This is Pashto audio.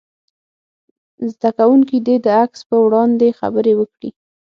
زده کوونکي دې د عکس په وړاندې خبرې وکړي.